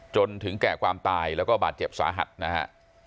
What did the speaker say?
จนถึงแก่ความตายแล้วก็บาดเจ็บสาหัสนะฮะ